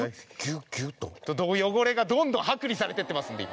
汚れがどんどん剥離されていってますので。